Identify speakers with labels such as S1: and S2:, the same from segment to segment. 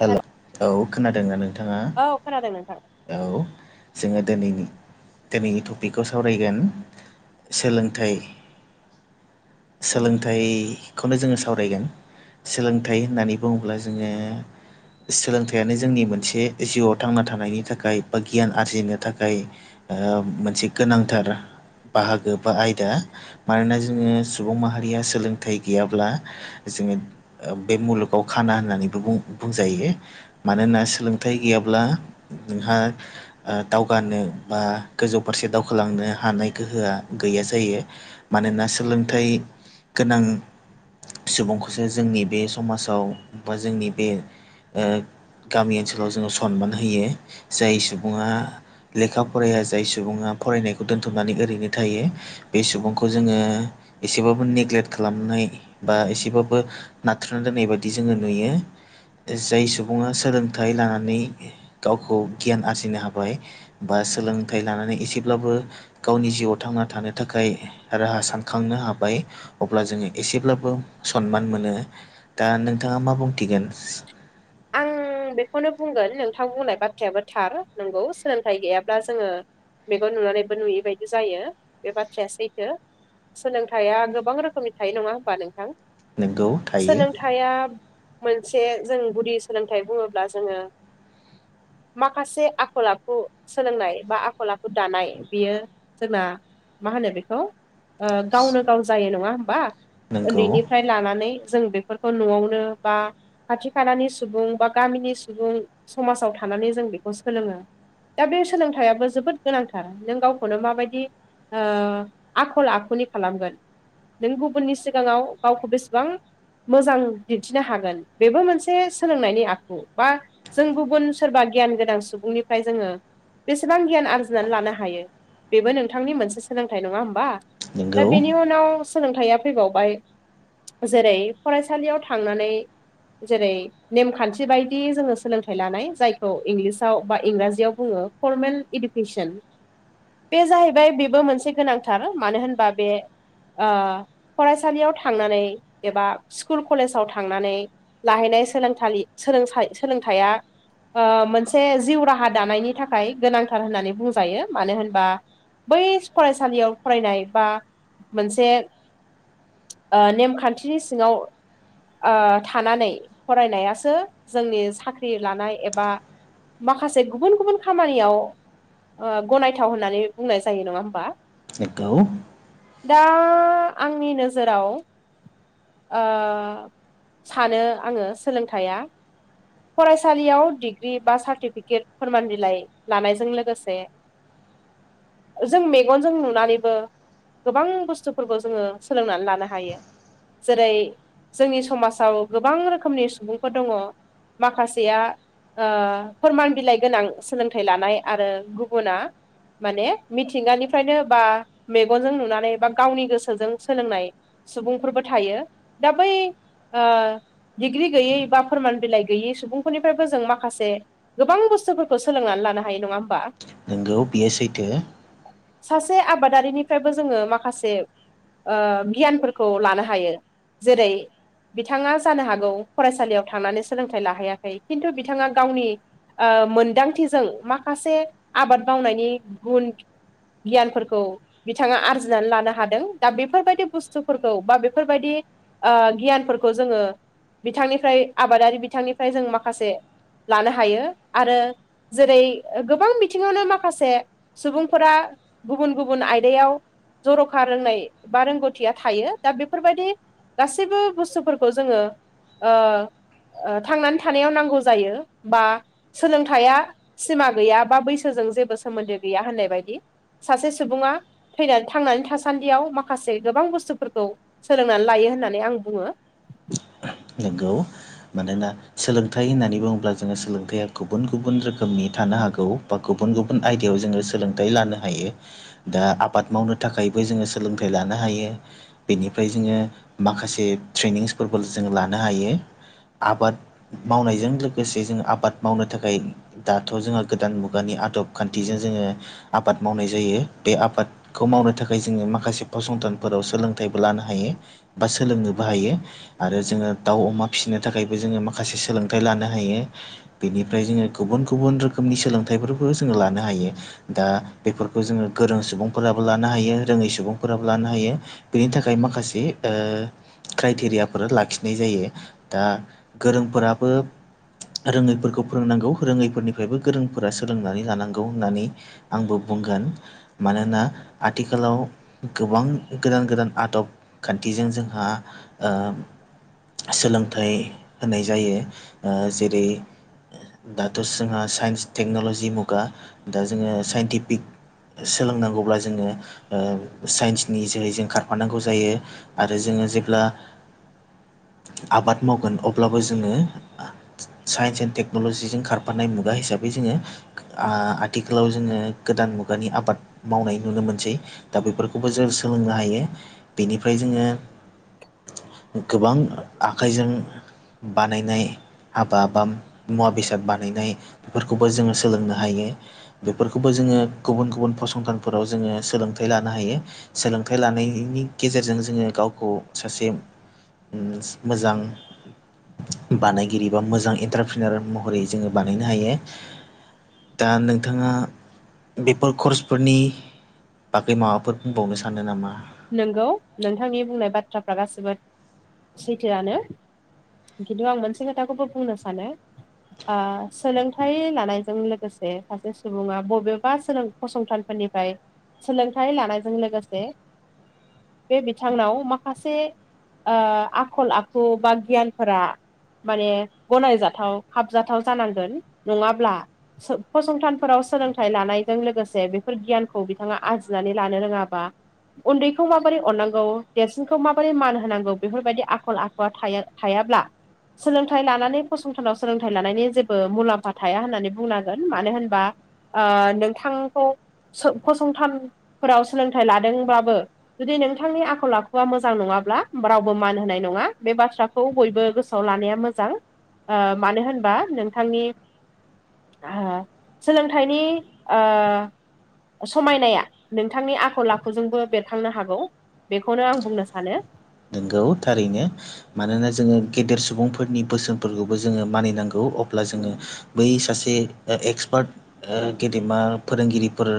S1: हेल' औ खोनादोंना नोंथाङा
S2: औ खोनादों नोंथां
S1: औ जोङो दिनै दिनैनि टपिकखौ सावरायगोन सोलोंथाइ सोलोंथाइखौनो जोङो सावरायगोन सोलोंथाइ होननानै बुंङोब्ला जोंङो सोलोंथायानो जोंनि मोनसे जिउआव थांना थानायनि थाखाय बा गियान आरजिनो थाखाय ओ मोनसे गोनांथार बाहागो बा आयदा मानोना जोंङो सुबुं माहारिया सोलोंथाइ गैयाब्ला जोंङो बे मुलुगाव खाना होननानैबो बुं बुंजायो मानोना सोलोंथाइ गैयाब्ला नोंहा दावगानो बा गोजौ फारसे दावखोलांनो हानाय गोहोआ गैया जायो। मानोना सोलोंथाइ गोनां सुबुंखौसो जोंनि बे समाजाव बा जोंनि बे गामि ओनसोलाव जोंङो सनमान होयो जाय सुबुंङा लेखा फराया जाय सुबुङा फरायनायखौ दोनथनानै ओरैनो थायो। बे सुबुंखौ जोंङो एसेबाबो नेग्लेक्ट खालामनाय बा एसेबाबो नाथ्रोना दोननाय बायदि जोंङो नुयो जाय सुबुंङा सोलोंथाइ लानानै गावखौ गियान आरजिनो हाबाय बा सोलोंथाइ लानानै एसेब्लाबो गावनि जिउआव थांना थानो थाखाय राहा सानखांनो हाबाय। अब्ला जोंङो एसेब्लाबो सनमान मोनो दा नोंथांङा मा बुंथिगोन
S2: आं बेखौनो बुंगोन नोंथां बुंनाय बाथ्रायाबो थार नंगौ सोलोंथाइ गैयाब्ला जोंङो मेगन नुनानैबो नुयै बायदि जायो बे बाथ्राया सैथो सोलोंथाया गोबां रोखोमनि थायो नङा होमबा नोंथां
S1: नंगौ थायो।
S2: हाया। एसे जों गुदि सोलोंथाइ बुंङोब्ला जोंङो माखासे आखल आखु सोलोंनाय बा आखल आखु दानाय बियो जोंना मा होनो बेखौ गावनो गाव जायो नंङा होमबा
S1: नोंगौ
S2: उन्दैनिफ्राय लानानै जों बेफोरखौ न'आवनो बा खाथि खालानि सुबुं बा गामिनि सुबुं समाजाव थानानै जों बेखौ सोलोङो दा बे सोलोंथाइयाबो जोबोद गोनांथार नों गावखौनो माबायदि। आखल आखुनि खालामगोन। नों गुबुननि सिगांङाव गावखौ बेसेबां मोजां दिन्थिनो हागोन बेबो मोनसे सोलोंनायनि आखु बा जों गुबुन सोरबा गियान गोनां सुबुंनिफ्राय जोंङो बेसेबां गियान आरजिनानै लानो हायो। बेबो नोंथांनि मोनसे सोलोंथाइ नंङा होमबा दा
S1: नोंगौ
S2: बेनि उनाव सोलोंथाइया फैबावबाय जेरै फरायसालियाव थांनानै जेरै नेमखान्थि बायदि जोंङो सोलोंथाइ लानाय जायखौ इंलिसाव बा इंराजियाव बुंङो फर्मेल इडुकेसन बे जाहैबाय बेबो मोनसे गोनांथार मानो होनबा बे फरायसालियाव थांनानै एबा स्कुल कलेजाव थांनानै लाहैनाय सोलों सोलोंथाइया। मोनसे जिउ राहा दानायनि थाखाय गोनांथार होननानै बुंजायो मानो होनबा बै फरायसालियाव फरायनाय बा मोनसे नेमखान्थिनि सिङांव थानानै फरायनायासो जोंनि साख्रि लानाय एबा माखासे गुबुन गुबुन खामानियाव गनायथाव होननानै बुंनाय जायो नंङा होमबा
S1: नंगौ
S2: दा आंनि नोजोराव सानो आङो सोलोंथाया फरायसालियाव डिग्रि बा सार्टिफिकेट फोरमान बिलाइ लानायजों लोगोसे
S1: [inaudible]
S2: जों मेगनजों नुनानैबो गोबां बुस्थुफोरखौ जोङो सोलोंनानै लानो हायो जेरै जोंनि समाज औ गोबां रोखोमनि सुबुंफोर दङ माखासेया फोरमान बिलाइ गोनां सोलोंथाइ लानाय आरो गुबुना माने मिथिंगानिफ्रायनो बा मेगनजों नुनानै बा गावनि गोसोजों सोलोंनाय सुबुंफोरबो थायो दा बै डिग्रि गैयै बा फोरमान बिलाइ गैयै सुबुंफोरनिफ्रायबो जों माखासे गोबां बुस्थुफोरखौ सोलोंनानै लानो हायो नङा होमबा
S1: नोंगौ बियो सैथो
S2: सासे आबादारिनिफ्रायबो जोङो माखासे ओ गियानफोरखौ लानो हायो जेरै बिथाङा जानो हागौ फरायसालियाव थांनानै सोलोंथाइ लाहैयाखै खिन्थु बिथाङा गावनि ओ मोनदांथिजों माखासे आबाद मावनायनि गुन गियानफोरखौ बिथाङा आरजिनानै लानो हादों दा बेफोरबायदि बुस्थुफोरखौ बा बेफोरबायदि गियानफोरखौ जोङो बिथांनिफ्राय आबादारि बिथांनिफ्राय जों माखासे लानो हायो आरो जेरै गोबां बिथिङावनो माखासे सुबुंफोरा गुबुन गुबुन आयदायाव जर'खा रोंनाय बा रोंगौथिया थायो दा बेफोरबायदि गासैबो बुस्थुफोरखौ जोङो थांनानै थानायाव नांगौ जायो बा सोलोंथाइया सिमा गैया बा बैसोजों जेबो सोमोन्दो गैया होननाय बायदि सासे सुबुङा थैनानै थांनानै थासान्दियाव माखासे गोबां बुस्थुफोरखौ सोलोंनानै लायो होननानै आं बुङो
S1: नंगौ मानोना सोलोंथाइ होननानै बुङोब्ला जोङो सोलोंथाइया गुबुन गुबुन रोखोमनि थानो हागौ बा गुबुन गुबुन आयदायाव जोङो सोलोंथाइ लानो हायो दा आबाद मावनो थाखायबो जोङो सोलोंथाइ लानो हायो बेनिफ्राय जोङो माखासे ट्रेनिंसफोरबो जों लानो हायो आबाद मावनायजों लोगोसे जों आबाद मावनो थाखाय दाथ' जोंहा गोदान मुगानि आदब खान्थिजों जोङो आबाद मावनाय जायो बे आबाद खौ मावनो थाखाय जोङो माखासे फसंथानफोराव सोलोंथाइबो लानो हायो बा सोलोंनोबो हायो आरो जोङो दाउ अमा फिसिनो थाखायबो जोङो माखासे सोलोंथाइ लानो हायो बेनिफ्राय जोङो गुबुन गुबुन रोखोमनि सोलोंथाइफोरखौ जोङो लानो हायो दा बेफोरखौ जोङो गोरों सुबुंफोराबो लानो हायो रोङै सुबुंफोराबो लानो हायो बेनि थाखाय माखासे क्राइटेरिया फोर लाखिनाय जायो दा गोरोंफोराबो रोङैफोरखौ फोरोंनांगौ रोङैफोरनिफ्रायबो गोरोंफोरा सोलोंनानै लानांगौ होननानै आंबो बुंगोन मानोना आथिखालाव गोबां गोदान गोदान आदब खान्थिजों जोंहा ओ सोलोंथाइ होनाय जायो जेरै दाथ' जोंहा साइन्स टेक्न'लजि मुगा दा जोङो साइन्टिफिक सोलोंनांगौब्ला जोङो साइन्सनि जोहै जों खारफानांगौ जायो आरो जोङो जेब्ला आबाद मावगोन अब्लाबो जोङो साइन्स एन्ड तेक्न'ल'जिजों खारफानाय मुगा हिसाबै जोङो ओ‌ आथिखालाव जोङो गोदान मुगानि आबाद मावनाय नुनो मोनसै दा बेफोरखौबो जों सोलोंनो हायो बेनिफ्राय जोङो गोबां ओ आखाइजों बानायनाय हाबा बा मुवा बेसाद बानायनाय बेफोरखौबो जोङो सोलोंनो हायो बेफोरखौबो जोङो गुबुन गुबुन फसंथानफोराव जोङो सोलोंथाइ लानो हायो सोलोंथाइ लानायनि गेजेरजों जोङो गावखौ सासे उम मोजां बानायगिरि बा मोजां एन्टारफिनोल महरै जोङो बानायनो हायो दा नोंथांआ बेफोर कर्सफोरनि बाखै माबाफोर बुंबावनो सानो नामा
S2: नोंगौ नोंथांनि बुंनाय बाथ्राफ्रा गासिबो सैथोनो खिन्थु आं मोनसे खोथाखौबो बुंनो सानो ओ सोलोंथाइ लानायजों लोगोसे सासे सुबुंआ बबेबा सोलों फसंथानफोरनिफ्राय सोलोंथाय लानायजों लोगोसे बे बिथांनाव माखासे आखल ओ आखु बा गियानफ्रा माने गनायजाथाव खाबजाथाव जानांगोन नङाब्ला सो फसंथानफोराव सोलोंथाइ लानायजों लोगोसे बेफोर गियानखौ बिथांआ आरजिनानै लानो रोङाब्ला उन्दैखौ माबोरै अननांगौ देरसिनखौ माबोरै मान होनांगौ बेफोरबादि आखल आखुआ था थायाब्ला सोलोंथाइ लानानै फसंथानाव सोलोंथाइ लानायनि जेबो मुलाम्फा थाया होननानै बुंनांगोन मानो होनबा ओ नोंथांखौ सो फसंथानफोराव सोलोंथाइ लादोंब्लाबो जुदि नोंथांनि आखल आखुआ मोजां नङाब्ला रावबो मान होनाय नङा बे बाथ्राखौ बयबो गोसो आव लानाया मोजां ओ मानो होनबा नोंथांनि ओ सोलोंथाइनि ओ समायनाया नोंथांनि आखल आखुजोंबो बेरखांनो हागौ बेखौनो आं बुंनो सानो
S1: नोंगौ थारैनो मानोना जोङो गेदेर सुबुंफोरनि बोसोनफोरखौबो जोङो मानिनांगौ अब्ला जोङो बै सासे ओ एक्सपार्ट ओ गेदेमा फोरोंगिरिफोर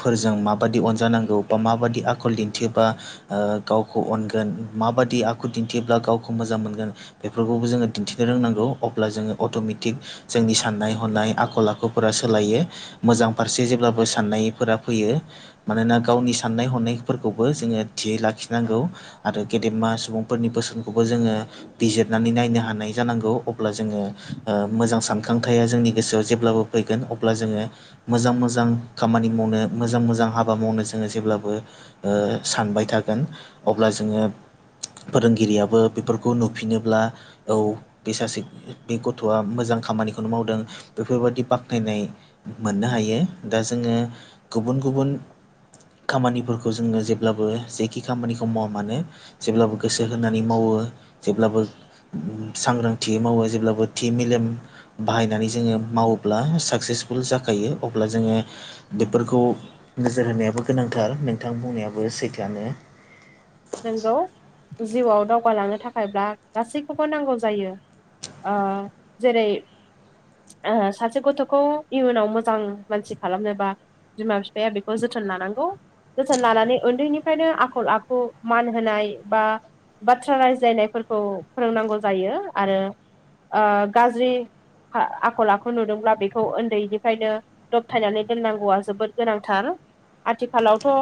S1: फोरजों माबादि अनजानांगौ बा माबादि आखल दिन्थियोबा ओ गावखौ अन गोन माबादि आखु दिन्थियोब्ला गावखौ मोजां मोनगोन बेफोरखौबो जोङो दिन्थिनो रोंनांगौ अब्ला जोङो अट'मिटिक जोंनि साननाय हनाय आखल आखुफोरा सोलायो मोजां फारसे जेब्लाबो साननायफोरा फैयो मानोना गावनि साननाय हनायफोरखौबो जोङो थियै लाखिनांगौ आरो गेदेरमा सुबुंफोरनि बोसोनखौबो जोङो बिजिरनानै नायनो हानाय जानांगौ अब्ला जोङो ओ मोजां सानखांथाया जोंनि गोसोआव जेब्लाबो फैगोन अब्ला जोङो मोजां मोजां खामानि मावनो मोजां मोजां हाबा मावनो जोङो जेब्लाबो ओ सानबाय थागोन अब्ला जोङो फोरोंगिरिआबो बेफोरखौ नुफिनोब्ला औ बे सासे बे गथ'आ मोजां खामानिखौनो मावदों बेफोरबायदि बाख्नायनाय मोननो हायो दा जोङो गुबुन गुबुन खामानिफोरखौ जोंङो जेब्लाबो जेखि खामानिखौ मावा मानो जेब्लाबो गोसो होनानै मावो जेब्लाबो सांग्रांथि मावो जेब्लाबो थि मेलेम बाहायनानै जोङो मावोब्ला साक्सेसफुल जाखायो अब्ला जोङो बेफोरखौ नोजोर होनायाबो गोनांथार नोंथां बुंनायाबो सैथोआनो
S2: नोंगौ जिउआव दावगालांनो थाखायब्ला गासैखौबो नांगौ जायो ओ जेरै सासे गथ'खौ इयुनाव मोजां मानसि खालामनोबा बिमा बिफाया बेखौ जोथोन लानांगौ जोथोन लानानै उन्दैनिफ्रायनो आखल आखु मान होनाय बा बाथ्रा रायज्लायनायफोरखौ फोरोंनांगौ जायो आरो गाज्रि आखल आखु नुदोंब्ला बेखौ उन्दैनिफ्रायनो दबथायनानै दोननांगौआ जोबोद गोनांथार आथिखालावथ'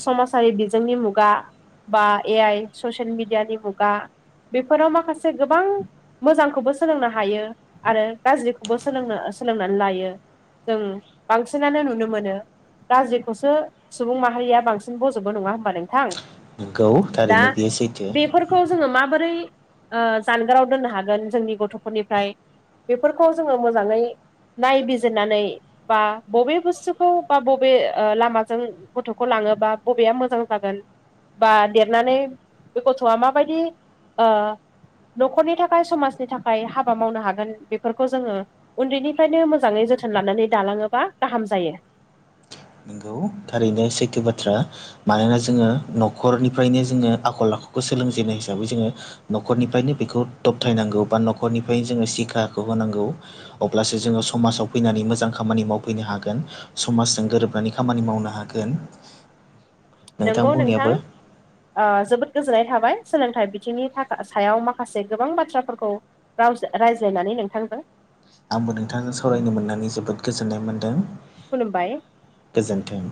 S2: समाजारि बिजोंनि मुगा मुगा बा ए आइ ससिल मिडियानि मुगा बेफोराव माखासे गोबां मोजांखौबो सोलोंनो हायो आरो गाज्रिखौबो सोलोंनो सोलोंनानै लायो जों बांसिनानो नुनो मोनो। गाज्रिखौसो सुबुं माहारिया बांसिन बज'बो नंङा होमबा नोंथां
S1: नंगौ थारैनो बेयो सैथो
S2: फोरखौ जोंङो माबोरै जानगाराव दोननो हागोन जोंनि गथ'फोरनिफ्राय बेफोरखौ जोंङो मोजांङै नायबिजिरनानै बा बबे बुस्थुखौ बा बबे लामाजों गथ'खौ लांङोबा बबेया मोजां जागोन बा देरनानै बे गथ'आ माबायदि। न'खरनि थाखाय समाजनि थाखाय हाबा मावनो हागोन बेफोरखौ जोंङो उन्दैनिफ्रायनो मोजांङै जोथोन लानानै दालांङोबा गाहाम जायो।
S1: नंगौ थारैनो सेैथो बाथ्रा मानोना जोंङो न'खरनिफ्रायनो जोंङो आखल-आखुखौ सोलोंजेनाय हिसाबै जोंङो न'खरनिफ्रायनो बेखौ दबथायनांगौ बा न'खरनिफ्रायनो जोंङो सिखाखौ होनांगौ। अब्लासो जोंङो समाजाव फैनानै मोजां खामानि मावफैनो हागोन समाजजों गोरोबनानै खामानि मावनो। हागोन।
S2: नंगौ नोंथां ओ जोबोद गोजोननाय थाबाय सोलोंथाइ बिथिंनि थाखा सायाव माखासे गोबां बाथ्राफोरखौ राव रायज्लायनानै नोंथांजों
S1: आंबो नोंथांजों सावरायनो मोननानै जोबोद गोजोननाय मोन्दों।
S2: खुलुमबाय
S1: गोजोन्थों।